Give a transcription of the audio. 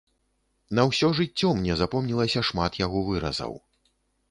На ўсё жыццё мне запомнілася шмат яго выразаў.